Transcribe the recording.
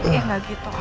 ya gak gitu